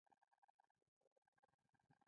میلیونونه شیعه ګان هلته ځي.